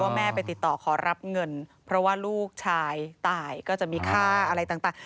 แม่ไปติดต่อขอรับเงินเพราะว่าลูกชายตายก็จะมีค่าอะไรต่าง